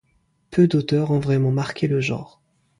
Peu d'auteurs ont vraiment marqué le genre.